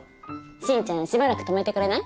進ちゃんしばらく泊めてくれない？